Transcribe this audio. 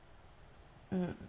うん。